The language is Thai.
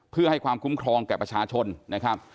เพื่อให้ความคุ้มครองแก่ประชาชนนะครับ